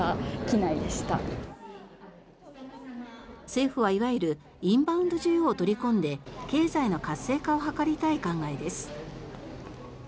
政府はいわゆるインバウンド需要を取り込んで経済の活性化を図りたい考えです。